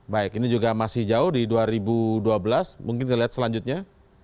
baik ini juga masih jauh di dua ribu dua belas mungkin kita lihat selanjutnya